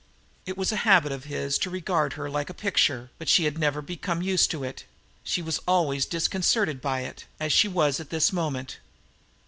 It was a habit of his to regard her like a picture, but she had never become used to it; she was always disconcerted by it, as she was at this moment.